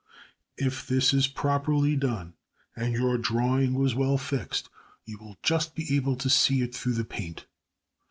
If this is properly done, and your drawing was well fixed, you will just be able to see it through the paint.